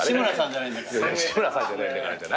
志村さんじゃないんだから。